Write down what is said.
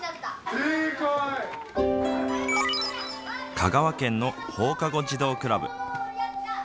香川県の放課後児童クラブ。